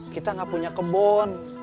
kita gak punya kebon